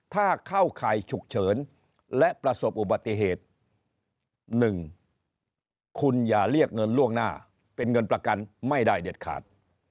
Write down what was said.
ถ้าเข้าข่ายฉุกเฉินและประสบอุบัติเหตุ๑คุณอย่าเรียกเงินล่วงหน้าเป็นเงินประกันไม่ได้เด็ดขาด